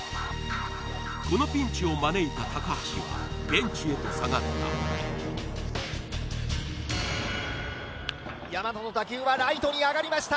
このピンチを招いた橋はベンチへと下がった大和の打球はライトに上がりました